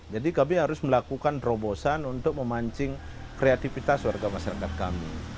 jadi kami harus melakukan terobosan untuk memancing kreativitas warga masyarakat kami